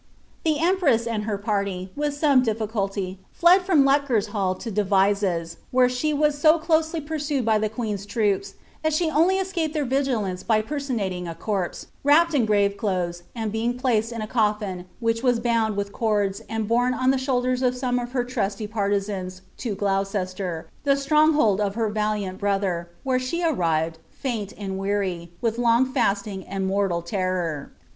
* The empress and her party, with some difficulty, fied from Lutgershall to Devises, where she Mras so closely pursued by the queen's troops, that she only escaped their vigilance by personating a corpse, wrapped io grave clothes, and being placed in a coffin, which was bound with cords* and borne on the shoulders of some of her trusty partisans' to Gloucester, the stronghold of her valiant brother, where she arrived, frint and weary, with lonff fasting and mortal terror.